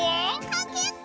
かけっこ！